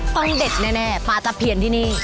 ต้องเด็ดแน่ปลาตะเพียนที่นี่